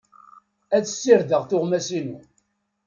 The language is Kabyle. Ad ssirdeɣ tuɣmas-inu.